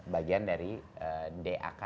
bagian dari dak